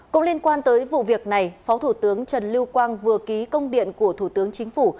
cũng liên quan tới vụ việc này phó thủ tướng trần lưu quang vừa ký công điện của thủ tướng chính phủ